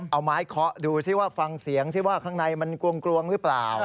เอาไม้เคาะดูซิว่าฟังเสียงสิว่าข้างในมันกลวงหรือเปล่า